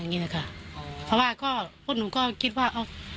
เพราะว่าพวกหนูก็คิดว่า